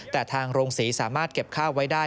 แต่ทางโรงศรีสามารถเก็บข้าวไว้ได้